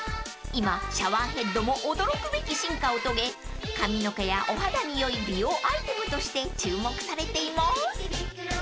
［今シャワーヘッドも驚くべき進化を遂げ髪の毛やお肌に良い美容アイテムとして注目されています］